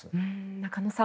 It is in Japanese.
中野さん